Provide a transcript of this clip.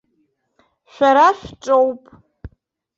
Шәара шәҿоуп!